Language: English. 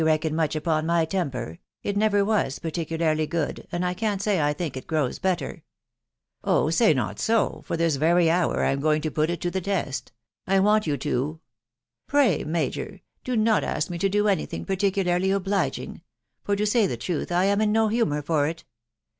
reckon much upon ray temper ..... it never was particularly good, and I 4an1 say I think it grows better/9 " Oh ! say not so, for this very hour I am going to put it to the teat ..•.. I want you to ...."" Pray, major, do not ask me to do any thing particularly obliging; for, to say the truth, I am in no humour for it.